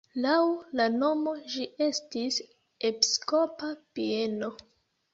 Laŭ la nomo ĝi estis episkopa bieno.